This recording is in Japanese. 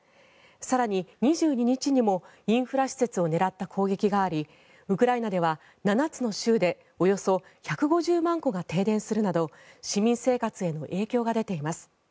更に２２日にもインフラ施設を狙った攻撃がありウクライナでは７つの州でおよそ１５０万戸が停電するなど市民生活への影響が出ています。